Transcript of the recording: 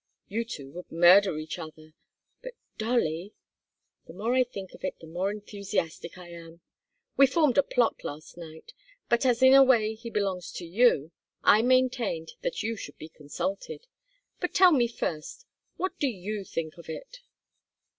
You two would murder each other but Dolly! The more I think of it the more enthusiastic I am. We formed a plot last night, but as in a way he belongs to you, I maintained that you should be consulted. But tell me first what do you think of it?"